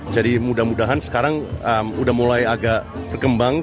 jadi mudah mudahan sekarang udah mulai agak berkembang